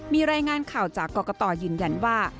มีรายงานข่าวจากกรกตยืนยันว่า